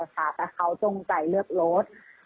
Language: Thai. แต่เขาจงใจเลือกรถ